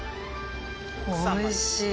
おいしい。